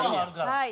はい。